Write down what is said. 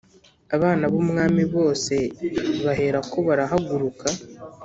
abana b umwami bose baherako barahaguruka